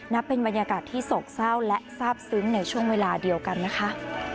นับเป็นบรรยากาศที่โศกเศร้าและทราบซึ้งในช่วงเวลาเดียวกันนะคะ